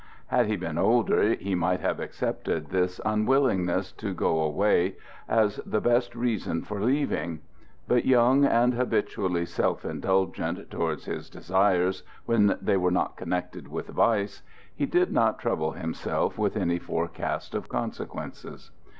Had he been older, he might have accepted this unwillingness to go away as the best reason for leaving; but, young, and habitually self indulgent towards his desires when they were not connected with vice, he did not trouble himself with any forecast of consequences.